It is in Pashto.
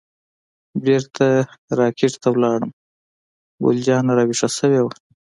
بیرته را کټ ته لاړم، ګل جانه راویښه شوې وه.